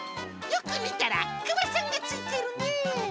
よく見たらクマさんがついているね。